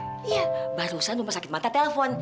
iya barusan rumah sakit mata telpon